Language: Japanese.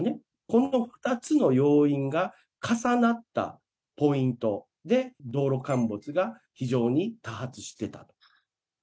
この２つの要因が重なったポイントで道路陥没が非常に多発していた。